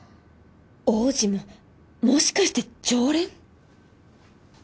王子ももしかして常連！？